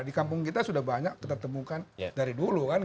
di kampung kita sudah banyak kita temukan dari dulu kan